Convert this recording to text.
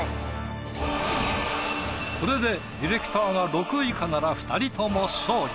これでディレクターが６以下なら２人とも勝利。